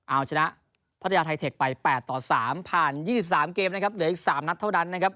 เอาชนะพัทยาไทเทคไป๘ต่อ๓ผ่าน๒๓เกมนะครับเหลืออีก๓นัดเท่านั้นนะครับ